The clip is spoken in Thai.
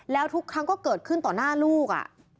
แล้วทุกครั้งก็เกิดขึ้นต่อหน้าลูก